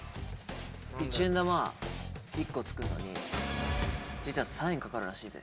一円玉１個作るのに、実は３円かかるらしいぜ。